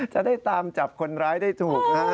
จะได้ตามจับคนร้ายได้ถูกนะฮะ